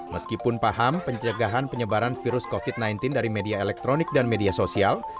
meskipun paham pencegahan penyebaran virus covid sembilan belas dari media elektronik dan media sosial